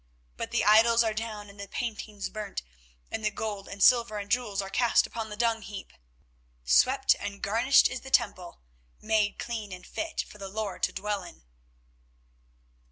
But the idols are down and the paintings burnt, and the gold and silver and jewels are cast upon the dung heap. Swept and garnished is the temple, made clean and fit for the Lord to dwell in."